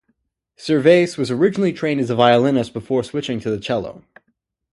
Servais was originally trained as a violinist before switching to the cello.